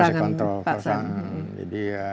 iya kita masih kontrol pak sam